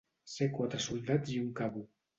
Ser quatre soldats i un cabo.